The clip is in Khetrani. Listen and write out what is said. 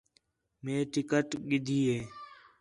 مئے ٹِکٹ گِدھی ہِے